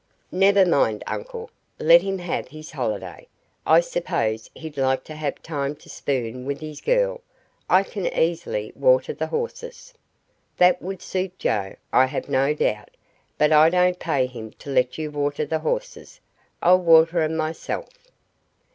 "Never mind, uncle, let him have his holiday. I suppose he'd like to have time to spoon with his girl. I can easily water the horses." "That would suit Joe, I have no doubt; but I don't pay him to let you water the horses. I'll water 'em myself."